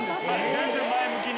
全然前向きに。